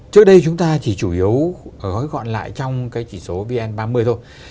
trước đây chúng ta chỉ chủ yếu gói gọn lại trong cái chỉ số vn ba mươi thôi